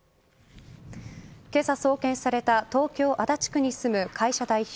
今朝送検された東京・足立区に住む会社代表